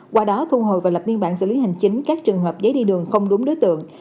qua đó thu hồi và lập biên bản xử lý hành chính các trường hợp giấy đi đường không đúng đối tượng